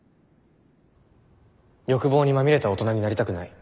欲望にまみれた大人になりたくない。